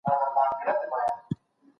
که شرم وکړې نو حق به دې وخوړل سي.